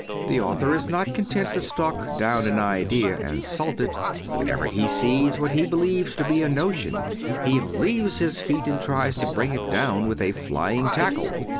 The author is not content to stalk down an idea and salt it. Whenever he sees what he believes to be a notion he leaves his feet and tries to bring it down with a flying tackle.